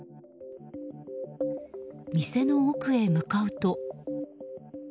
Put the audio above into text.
店の奥へ向かうと。